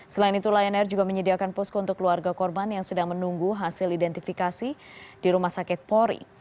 selain itu lion air juga menyediakan posko untuk keluarga korban yang sedang menunggu hasil identifikasi di rumah sakit pori